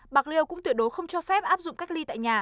bạc liêu cũng tuyệt đối không cho phép áp dụng cách ly tại nhà